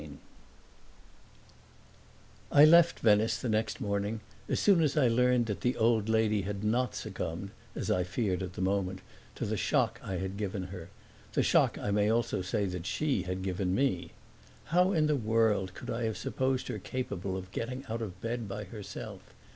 IX I left Venice the next morning, as soon as I learned that the old lady had not succumbed, as I feared at the moment, to the shock I had given her the shock I may also say she had given me. How in the world could I have supposed her capable of getting out of bed by herself?